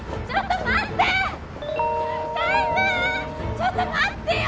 ちょっと待って！